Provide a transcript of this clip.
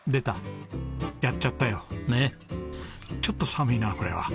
ちょっと寒いなこれは。